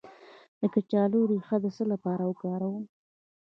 د کچالو ریښه د څه لپاره وکاروم؟